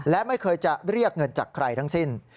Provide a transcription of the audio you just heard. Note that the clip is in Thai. และไม่เคยจะเรียกเงินจากใครทั้งสิ้น